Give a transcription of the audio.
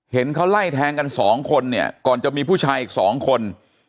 เห็นเขาไล่แทงกันสองคนเนี่ยก่อนจะมีผู้ชายอีกสองคน